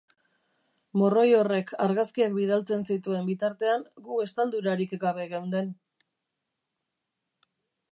Morroi horrek argazkiak bidaltzen zituen bitartean, gu estaldurarik gabe geunden.